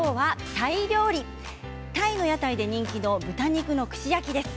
タイの屋台で人気の豚肉の串焼きです。